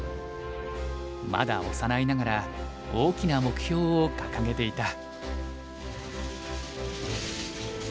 まだ幼いながら大きな目標を掲げていた。